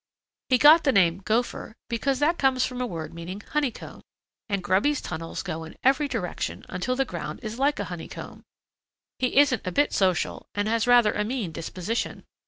"He got the name Gopher because that comes from a word meaning honeycomb, and Grubby's tunnels go in every direction until the ground is like honeycomb. He isn't a bit social and has rather a mean disposition.